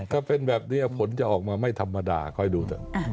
ถ้าเป็นแบบนี้ผลจะออกมาไม่ธรรมดาค่อยดูเถอะ